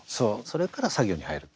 それから作業に入る。